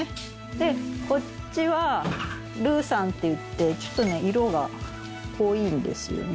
でこっちはルーサンっていってちょっとね色が濃いんですよね。